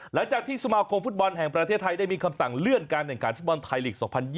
หลังจากที่สมาคมฟุตบอลแห่งประเทศไทยได้มีคำสั่งเลื่อนการแข่งขันฟุตบอลไทยลีก๒๐๒๐